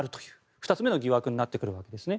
２つ目の疑惑になってくるわけですね。